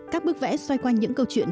các bức vẽ xoay quanh những câu chuyện